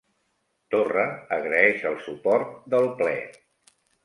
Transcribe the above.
Torra agraeix el suport del ple